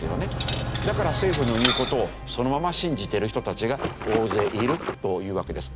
だから政府の言う事をそのまま信じてる人たちが大勢いるというわけです。